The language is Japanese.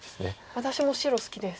私も白好きです。